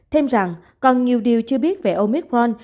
thêm rằng còn nhiều điều chưa biết về omicron